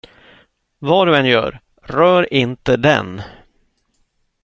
Vad du än gör, rör inte den.